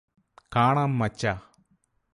കാണാം മച്ചാ